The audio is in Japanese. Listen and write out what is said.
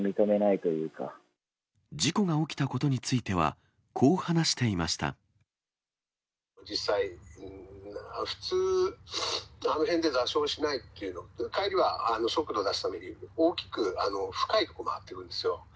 事故が起きたことについては、実際、普通、あの辺で座礁しないっていうのと、帰りは速度出すために、大きく深いほう回ってくるんですよ。